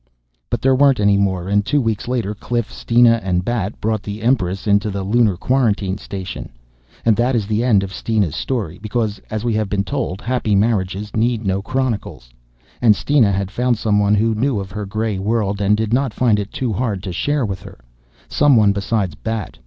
But there weren't any more and two weeks later Cliff, Steena and Bat brought the Empress into the Lunar quarantine station. And that is the end of Steena's story because, as we have been told, happy marriages need no chronicles. And Steena had found someone who knew of her gray world and did not find it too hard to share with her someone besides Bat.